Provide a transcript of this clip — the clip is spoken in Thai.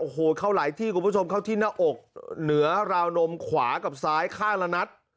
โอ้โหเข้าหลายที่คุณผู้ชมเข้าที่หน้าอกเหนือราวนมขวากับซ้ายข้างละนัด